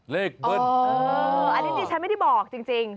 เบิ้ลอันนี้ดิฉันไม่ได้บอกจริง